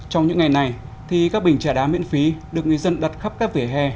trong những ngày này thì các bình trà đá miễn phí được người dân đặt khắp các vỉa hè